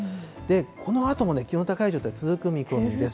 このあとも気温高い状態、続く見込みです。